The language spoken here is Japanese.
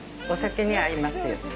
お酒に合いますよ。